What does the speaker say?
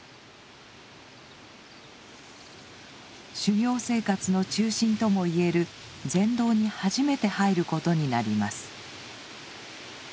修行生活の中心ともいえる禅堂に初めて入ることになります。